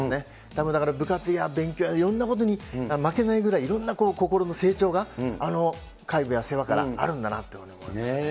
たぶん、部活や勉強やいろんなことに負けないぐらい、いろんな心の成長が、あの介護や世話からあるんだなというふうに思いましたね。